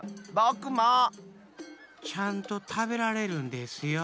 ちゃんとたべられるんですよ。